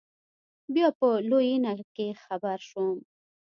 بيا په لوېينه کښې خبر سوم.